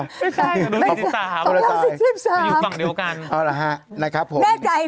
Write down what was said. ไม่ใช่ภาพลังศิษฐาล